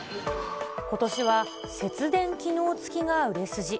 ことしは節電機能付きが売れ筋。